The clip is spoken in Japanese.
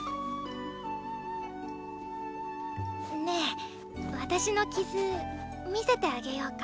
ねえ私の傷見せてあげよーか。